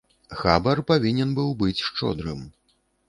Хабар павінен быў быць шчодрым.